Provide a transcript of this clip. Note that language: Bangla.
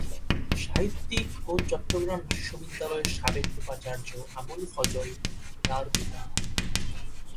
সাহিত্যিক ও চট্টগ্রাম বিশ্ববিদ্যালয়ের সাবেক উপাচার্য আবুল ফজল তার পিতা।